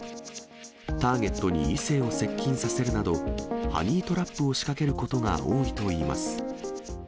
ターゲットに異性を接近させるなど、ハニートラップを仕掛けることが多いといいます。